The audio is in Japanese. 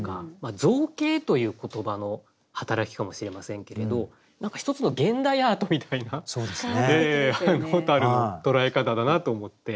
「造形」という言葉の働きかもしれませんけれど何か一つの現代アートみたいな蛍の捉え方だなと思って。